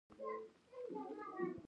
د بنی شیبه کورنۍ ته سپارل شوې ده.